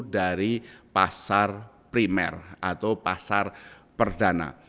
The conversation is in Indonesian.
dari pasar primer atau pasar perdana